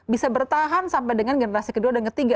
bisa bertahan sampai dengan generasi kedua dan ketiga